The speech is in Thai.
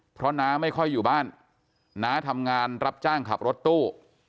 เพราะน้าไม่ค่อยอยู่บ้านน้าทำงานรับจ้างขับรถตู้